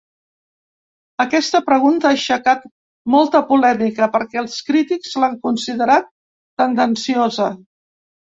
Aquesta pregunta ha aixecat molta polèmica perquè els crítics l’han considerat tendenciosa.